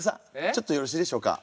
ちょっとよろしいでしょうか？